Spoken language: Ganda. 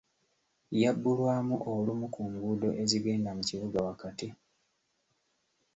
Yabbulwamu olumu ku nguudo ezigenda mu kibuga wakati.